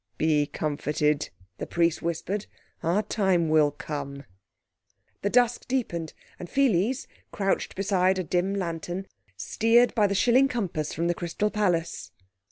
"Be comforted," the Priest whispered, "our time will come." The dusk deepened, and Pheles, crouched beside a dim lantern, steered by the shilling compass from the Crystal Palace.